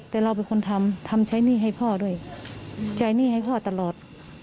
แต่เราเป็นคนทำทำใช้หนี้ให้พ่อด้วยใช้หนี้ให้พ่อตลอด